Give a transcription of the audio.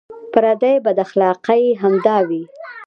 پردۍ بداخلاقۍ همدا وې.